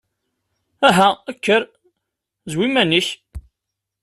Aha kker, zwi iman-ik!